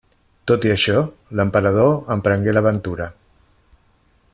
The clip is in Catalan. Tot i això, l'emperador emprengué l'aventura.